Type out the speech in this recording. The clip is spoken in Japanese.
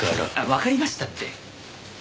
わかりましたって。